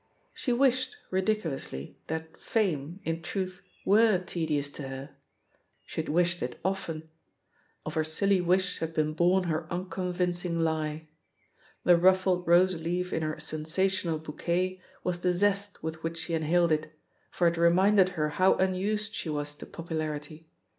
She wished, ridiculously, that "fame,'* in truth, were tedious to her; she had wished it often — of her silly wish had been bom her unconvincing lie. The ruffled rose leaf in her sensational bou quet was the zest with which she inhaled it, for it reminded her how unused she was to popular ity.